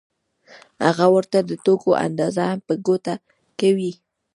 هغه ورته د توکو اندازه هم په ګوته کوي